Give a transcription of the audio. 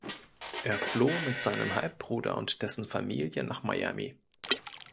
Er floh mit seinem Halbbruder und dessen Familie nach Miami.